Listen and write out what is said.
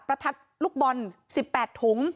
ประทัดลูกบอล๑๘ถุง